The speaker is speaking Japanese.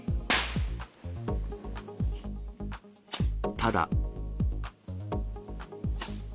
ただ。